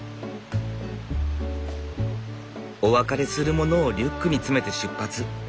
お別れするものをリュックに詰めて出発。